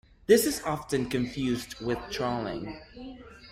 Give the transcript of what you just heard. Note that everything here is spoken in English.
This is often confused with trolling.